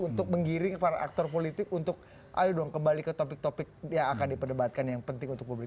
untuk menggiring para aktor politik untuk ayo dong kembali ke topik topik yang akan diperdebatkan yang penting untuk publik